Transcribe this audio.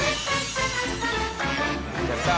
やった！